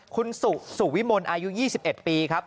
คุณสุวิมลอายุ๒๑ปีครับ